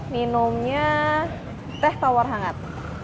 minumnya teh tawar hangat